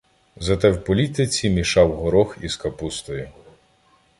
Зате в політиці мішав горох із капустою.